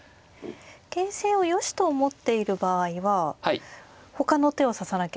形勢をよしと思っている場合はほかの手を指さなければいけないですね。